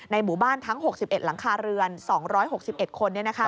หมู่บ้านทั้ง๖๑หลังคาเรือน๒๖๑คน